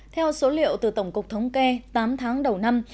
theo số liệu từ tổng cục thống kê tám tháng đầu năm